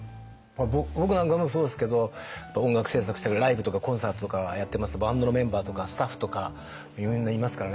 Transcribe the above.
僕なんかもそうですけど音楽制作してライブとかコンサートとかやってますとバンドのメンバーとかスタッフとかみんないますからね。